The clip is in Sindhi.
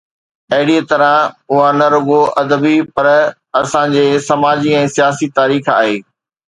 اهڙيءَ طرح اها نه رڳو ادبي، پر اسان جي سماجي ۽ سياسي تاريخ آهي.